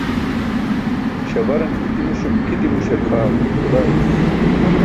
Śabarane i̇ti̇ muśum kʰiti muśar xaa xudaa iri̇i̇n.